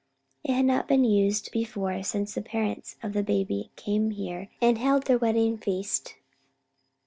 It had not been used before since the parents of the baby came here and held their wedding feast.